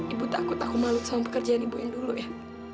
ibu takut aku malut sama pekerjaan ibu yang dulu ya